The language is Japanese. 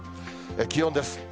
気温です。